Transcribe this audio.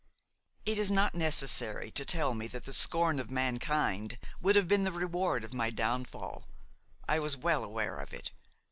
It is not necessary to tell me that the scorn of mankind would have been the reward of my downfall; I was well aware of it.